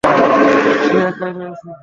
সে একাই রয়েছে।